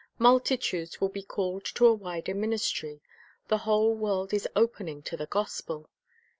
Multitudes will be called to a wider ministry. The whole world is opening to the gospel.